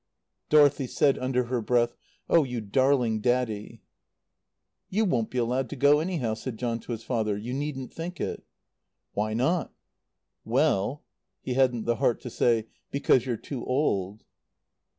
Dorothy said under her breath: "Oh, you darling Daddy." "You won't be allowed to go, anyhow," said John to his father. "You needn't think it." "Why not?" "Well ." He hadn't the heart to say: "Because you're too old."